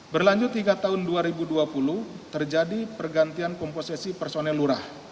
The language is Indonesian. berlanjut hingga tahun dua ribu dua puluh terjadi pergantian komposisi personil lurah